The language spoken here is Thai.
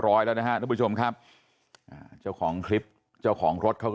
ร้อยแล้วนะฮะทุกผู้ชมครับอ่าเจ้าของคลิปเจ้าของรถเขาก็